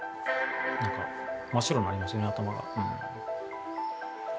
なんか真っ白になりますね、頭が。